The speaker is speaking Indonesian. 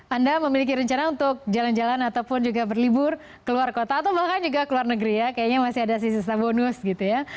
anda memiliki rencana untuk jalan jalan ataupun juga berlibur ke luar kota atau bahkan juga ke luar negeri ya kayaknya masih ada sisa bonus gitu ya